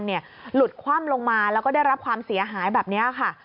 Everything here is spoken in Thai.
หลุดคว่ำลงมาแล้วก็ได้รับความเสียหายแบบนี้ค่ะ